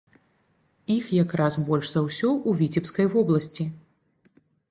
Іх як раз больш за ўсё ў віцебскай вобласці.